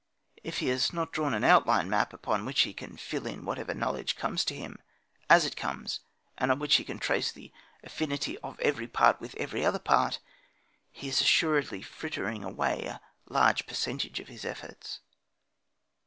If he has not drawn an outline map upon which he can fill in whatever knowledge comes to him, as it comes, and on which he can trace the affinity of every part with every other part, he is assuredly frittering away a large percentage of his efforts.